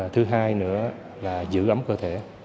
thứ hai nữa là giữ ấm cơ thể